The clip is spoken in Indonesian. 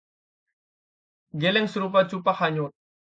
Geleng serupa cupak hanyut